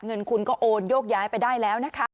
เงินคุณก็โอนโยกย้ายไปได้แล้วนะคะ